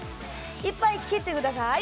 いっぱい聴いてください。